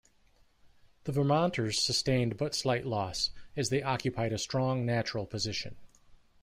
The Vermonters sustained but slight loss, as they occupied a strong, natural position.